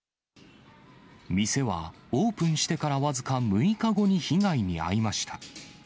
店は、オープンしてから僅か６日後に被害に遭いました。